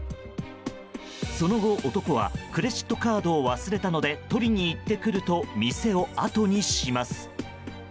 その後、男はクレジットカードを忘れたので取りに行ってくると店をあとにします。